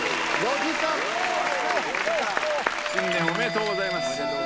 新年おめでとうございます。